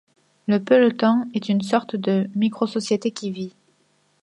Le peloton est une sorte de microsociété qui vit.